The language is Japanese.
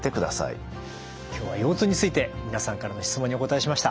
今日は腰痛について皆さんからの質問にお答えしました。